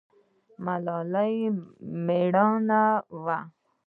ملالۍ میړنۍ وه